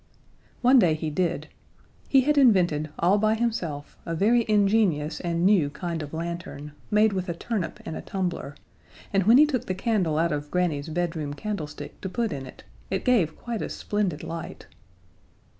One day he did. He had invented, all by himself, a very ingenious and new kind of lantern, made with a turnip and a tumbler, and when he took the candle out of Granny's bedroom candlestick to put in it, it gave quite a splendid light.